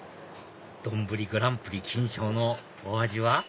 丼グランプリ金賞のお味は？